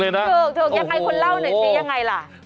ถูกยังไงคุณเล่าหน่อยสิยังไงล่ะ